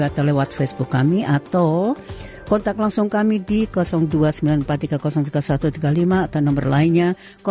atau lewat facebook kami atau kontak langsung kami di dua sembilan empat tiga tiga satu tiga lima atau nomer lainnya tiga sembilan empat sembilan dua dua delapan